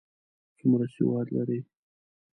څومره سواد لري؟